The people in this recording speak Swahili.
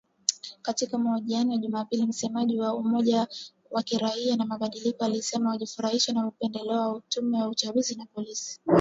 Katika mahojiano ya Jumapili, msemaji wa 'Umoja wa Kiraia kwa Mabadiliko' alisema hawajafurahishwa na upendeleo wa tume ya uchaguzi na polisi